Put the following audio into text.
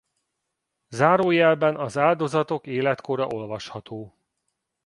Zárójelben az áldozatok életkora olvasható.